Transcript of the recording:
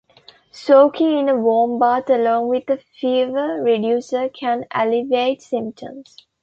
Soaking in a warm bath along with a fever reducer can alleviate symptoms.